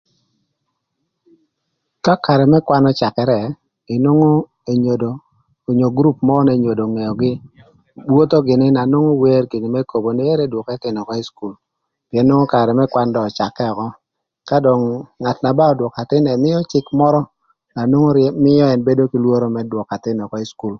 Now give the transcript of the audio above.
Ka karë më kwan öcakërë inwongo enyodo onyo gurup mörö n'enyodo ongeogï wotho gïnï na nwongo wer gïnï n'ëkobo nï eru ëdwök ëthïnö ökö ï cukul pïën nwongo karë më kwan dong öcakë ökö ka dong ngat na ba ödwökö athïn ëmïö cïk mörö na nwongo mïö ën bedo kï lwörö më dwökö ëthïnö ökö ï cukul.